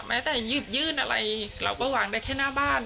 แต่หยิบยื่นอะไรเราก็วางได้แค่หน้าบ้าน